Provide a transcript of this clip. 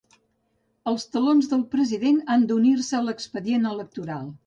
Els talons del president han d'unir-se a l'expedient electoral.